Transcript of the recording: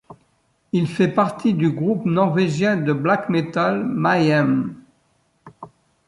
Il fait partie du groupe norvégien de black metal Mayhem.